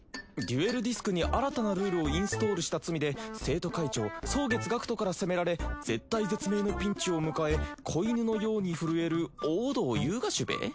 デュエルディスクに新たなルールをインストールした罪で生徒会長蒼月学人から責められ絶体絶命のピンチを迎え子犬のように震える王道遊我しゅべ？